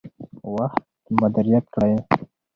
وخت مدیریت کړئ.